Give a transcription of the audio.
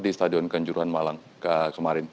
di stadion kanjuruhan malang kemarin